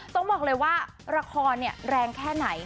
ต้องบอกเลยว่าละครแรงแค่ไหน